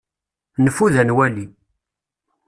Neffud ad nwali.